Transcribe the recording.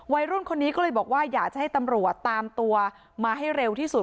วัยรุ่นคนนี้ก็เลยบอกว่าอยากจะให้ตำรวจตามตัวมาให้เร็วที่สุด